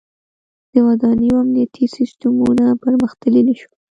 • د ودانیو امنیتي سیستمونه پرمختللي شول.